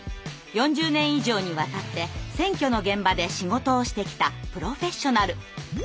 ４０年以上にわたって選挙の現場で仕事をしてきたプロフェッショナル！